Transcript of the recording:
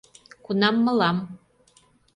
Кунам мылам